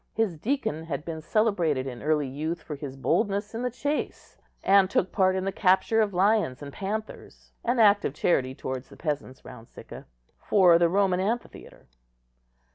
His deacon had been celebrated in early youth for his boldness in the chase, and took part in the capture of lions and panthers (an act of charity towards the peasants round Sicca) for the Roman amphitheatre.